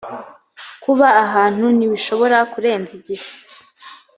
kuba ahantu ntibishobora kurenza igihe